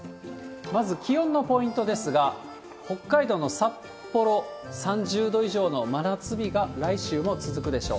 まず気温のポイントですが、北海道の札幌、３０度以上の真夏日が来週も続くでしょう。